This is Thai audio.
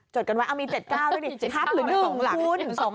จดกันไว้เอามี๗๙ด้วยหรือ๑คุณ